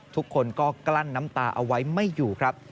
ทุกคนก็กลั้นน้ำตาเอาไว้ไม่อยู่ครับ